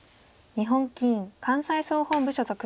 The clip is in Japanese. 日本棋院関西総本部所属。